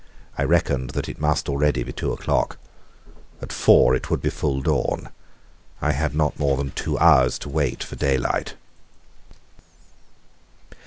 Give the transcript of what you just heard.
I reckoned that it must already be two o'clock. At four it would be full dawn. I had not more than two hours to wait for daylight.